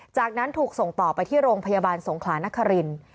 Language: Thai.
จากนั้นถูกส่งต่อไปที่โรงพยาบาลสงขลานครินทร์